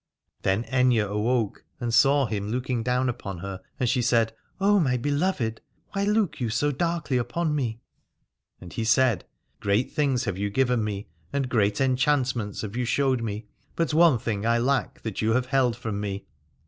Then Aithne awoke and saw him looking down upon her, and she said : O my beloved, why look you so darkly upon me ? And he said : Great things have you given me, and great enchantments have you showed me, but one thing I lack that you have held from me.